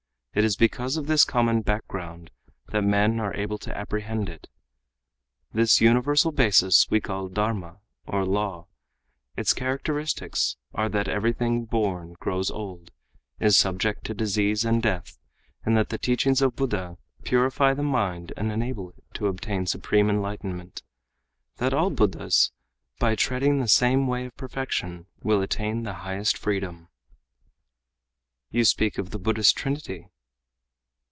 It is because of this common background that men are able to apprehend it. This universal basis we call dharma, or law. Its characteristics are that everything born grows old, is subject to disease and death; that the teachings of Buddha purify the mind and enable it to obtain supreme enlightenment; that all Buddhas by treading the same way of perfection will attain the highest freedom." "You speak of the Buddhist Trinity."